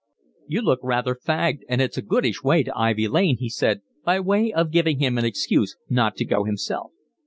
"You look rather fagged, and it's a goodish way to Ivy Lane," he said, by way of giving him an excuse not to go himself.